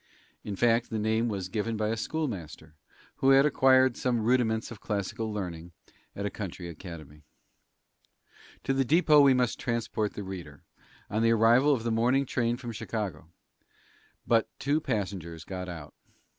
In fact, the name was given by a schoolmaster, who had acquired some rudiments of classical learning at a country academy. To the depot we must transport the reader, on the arrival of the morning train from Chicago. But two passengers got out.